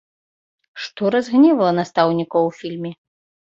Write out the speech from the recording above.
Што разгневала настаўнікаў у фільме?